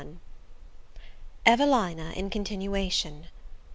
EVELINA IN CONTINUATION.